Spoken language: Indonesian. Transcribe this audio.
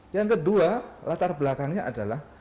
yang kedua latar belakangnya adalah